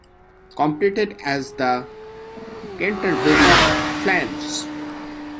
Competed as the "Canterbury Flames".